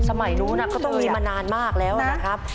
สมัยนู้นก็ต้องมีมานานมากแล้วนะครับ